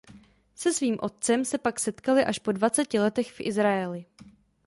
Se svým otcem se pak setkal až po dvaceti letech v Izraeli.